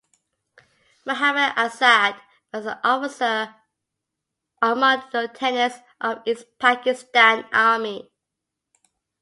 Mohammad Azad was an officer among the lieutenants of East Pakistan Army.